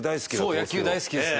野球大好きですね。